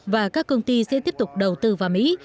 và các công ty sẽ tiếp tục đầu tư vào mỹ